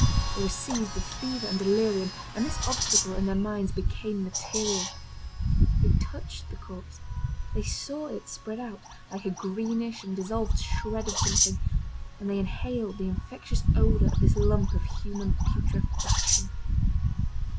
They were seized with fever and delirium, and this obstacle, in their minds, became material. They touched the corpse, they saw it spread out, like a greenish and dissolved shred of something, and they inhaled the infectious odour of this lump of human putrefaction.